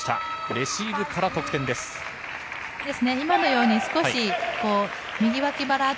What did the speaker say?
レシーブから得点です。